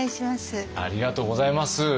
ありがとうございます。